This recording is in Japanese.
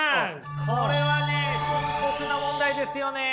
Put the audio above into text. これはね深刻な問題ですよね。